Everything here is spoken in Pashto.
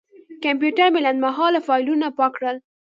کمپیوټر مې لنډمهاله فایلونه پاک کړل.